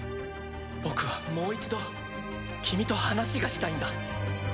僕はもう一度君と話がしたいんだ。